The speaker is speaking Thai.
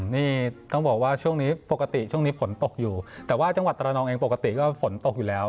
นี่ต้องบอกว่าช่วงนี้ปกติช่วงนี้ฝนตกอยู่แต่ว่าจังหวัดตระนองเองปกติก็ฝนตกอยู่แล้ว